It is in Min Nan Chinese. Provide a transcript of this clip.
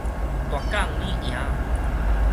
大港你贏矣